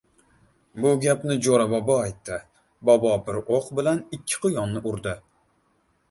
Bu gapni Jo‘ra bobo aytdi. Bobo bir o‘q bilan ikki quyonni urdi!